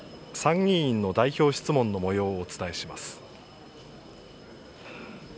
参議院の代表質問のもようをお伝えします。